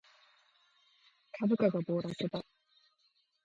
株価が暴落だ